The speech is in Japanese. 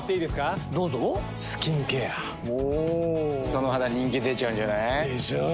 その肌人気出ちゃうんじゃない？でしょう。